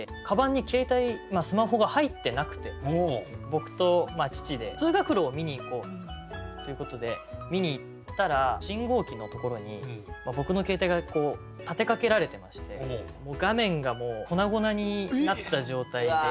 僕と父で通学路を見に行こうということで見に行ったら信号機のところに僕の携帯が立てかけられてまして画面がもう粉々になった状態で。